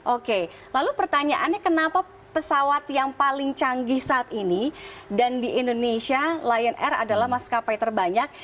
oke lalu pertanyaannya kenapa pesawat yang paling canggih saat ini dan di indonesia lion air adalah maskapai terbanyak